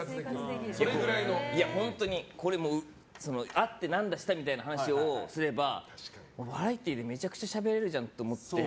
会ってなんだしたみたいな話をすればバラエティーでめちゃくちゃしゃべれるじゃんって思って。